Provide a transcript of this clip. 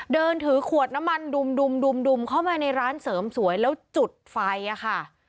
เดินถือขวดน้ำมันดุมเข้ามาในร้านเสริมสวยแล้วจุดไฟค่ะ